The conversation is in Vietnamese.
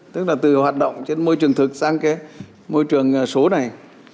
tức là từ hoạt động trên môi trường thực sang cái môi trường số này